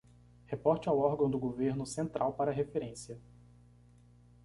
Reporte ao órgão do governo central para referência